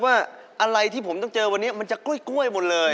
ว่าอะไรที่ผมต้องเจอวันนี้มันจะกล้วยหมดเลย